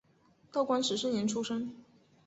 道光十四年出生。